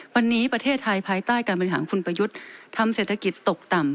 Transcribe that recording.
วันนี้ประเทศไทยภายใต้การบริหารคุณประยุทธ์ทำเศรษฐกิจตกต่ำ